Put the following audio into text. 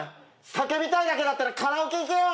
叫びたいだけだったらカラオケ行けよ！